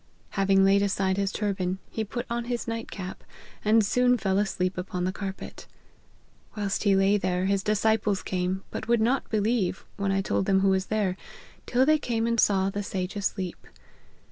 Having laid aside his turban, he put on his night cap, and soon fell asleep upon the carpet. Whilst he lay there, his disciples came, but would not believe, when I told them who was there, till they came and saw the sage asleep.